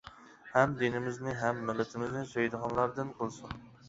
ھەم دىنىمىزنى ھەم مىللىتىمىزنى سۆيىدىغانلاردىن قىلسۇن!